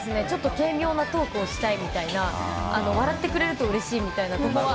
軽妙なトークをしたいみたいな笑ってくれるとうれしいみたいなところは。